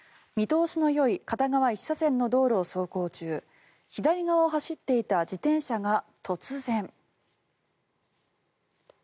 見通しのよい片側１車線の道路を走行中左側を走っていた自転車が突然。